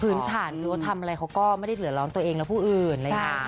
พื้นฐานหรือว่าทำอะไรเขาก็ไม่ได้เหลือร้อนตัวเองและผู้อื่นเลยค่ะ